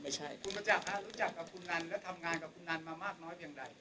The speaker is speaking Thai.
ไม่ใช่คุณมาจากรู้จักกับคุณนันและทำงานกับคุณนันมามากน้อยเพียงใด